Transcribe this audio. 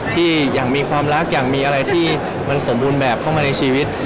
ที่อยากมีความรักอยากมีอะไรที่มันสมบูรณ์แบบเข้ามาในชีวิต